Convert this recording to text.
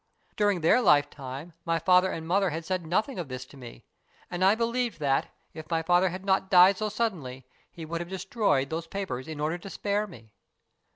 During their lifetime my father and mother had said nothing of this to me, and I believed that, if my father had not died so suddenly, he would have destroyed those papers, in order to spare me.